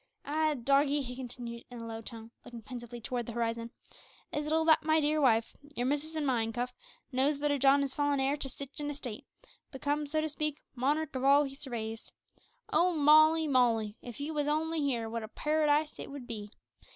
Ah, doggie!" he continued in a low tone, looking pensively towards the horizon, "it's little that my dear wife (your missus and mine, Cuff) knows that her John has fallen heir to sitch an estate; become, so to speak, `monarch of all he surveys.' O Molly, Molly, if you was only here, wot a paradise it would be!